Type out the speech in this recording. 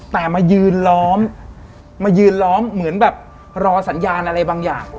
แต่มายืนล้อมเหมือนรอสัญญาณอะไรบางอย่าง